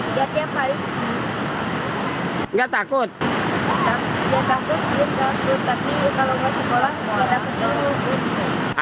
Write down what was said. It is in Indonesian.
tapi kalau nggak sekolah kalau nggak penyelenggara nggak penyelenggara